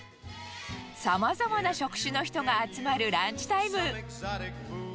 さまざまな職種の人が集まるランチタイム。